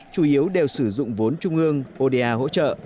chủ yếu đều sử dụng vốn trung ương oda hỗ trợ